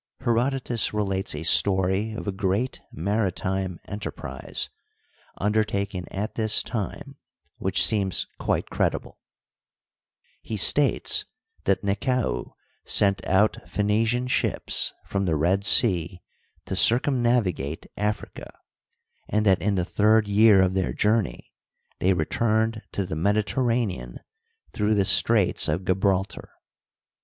Herodotus relates a story of a great maritime enter prise undertaken at this time which seems quite credible. He states that Nekau sent out Phoenician ships from the Digitized byCjOOQlC THE EGYPTIAN RENAISSANCE. 127 Red Sea to circumnavigate Africa, and that in the third year of their journey they returned to the Mediterranean through the Straits of Gibraltar.